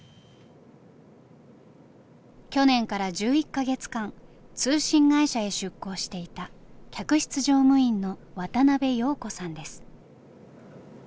去年から１１か月間通信会社へ出向していた客室乗務員の渡辺瑶子さんです。